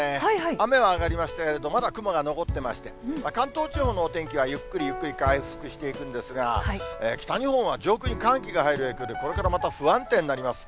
雨は上がりましたけれども、まだ雲が残ってまして、関東地方のお天気はゆっくりゆっくり回復していくんですが、北日本は上空に寒気が入る影響で、これからまた不安定になります。